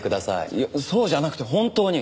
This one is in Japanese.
いやそうじゃなくて本当に！